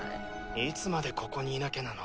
いつまでここにいなきゃなの？